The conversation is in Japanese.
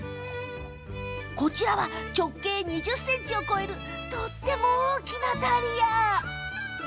こちらは直径２０ｃｍを超えるとっても大きなダリア。